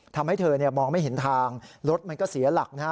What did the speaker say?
ทำให้เธอเนี่ยมองไม่เห็นทางรถมันก็เสียหลักนะฮะ